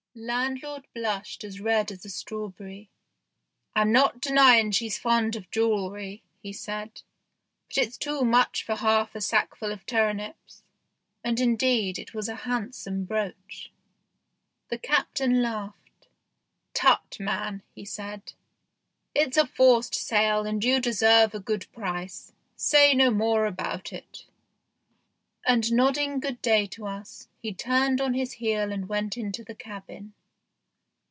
Landlord blushed as red as a strawberry. "I'm not denying she's fond of jewellery," he said, " but it's too much for half a sackful of turnips." And indeed it was a handsome brooch. The captain laughed. " Tut, man," he said, " it's a forced sale, and you deserve a good price. Say no more about it ;" and nodding 8 THE GHOST SHIP good day to us, he turned on his heel and went into the cabin.